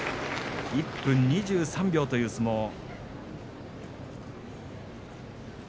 １分２３秒という相撲。